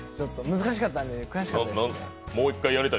難しかったんで、悔しかったです。